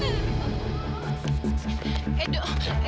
lepasin aku mir